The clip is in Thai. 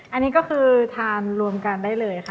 อันนี้ก็คือทานรวมกันได้เลยค่ะ